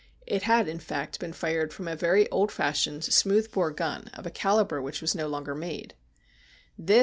It had, in fact, been fired from a very old fashioned smooth bore gun, of a calibre which was no longer made.